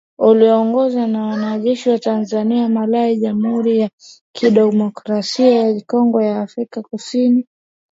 Iliongozwa na wanajeshi wa Tanzania, Malawi, Jamuhuri ya Kidemokrasia ya Kongo na Afrika kusini